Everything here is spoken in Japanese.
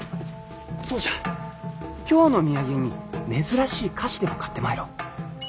そうじゃ京の土産に珍しい菓子でも買ってまいろう。